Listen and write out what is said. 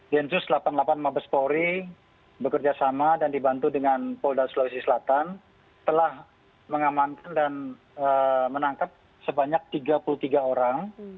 densus delapan puluh delapan mabes polri bekerjasama dan dibantu dengan polda sulawesi selatan telah mengamankan dan menangkap sebanyak tiga puluh tiga orang